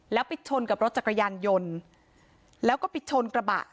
แล้วไปชนกับรถจักรยานยนต์แล้วก็ไปชนกระบะ